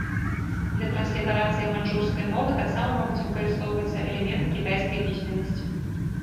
Для транслітарацыі маньчжурскай мовы таксама могуць выкарыстоўвацца элементы кітайскай пісьменнасці.